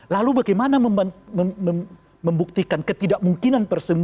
lalu bagaimana membuktikan ketidakmungkinan